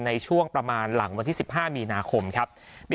ในช่วงประมาณหลังวันที่๑๕มีนาคมครับ